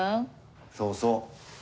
そうそう。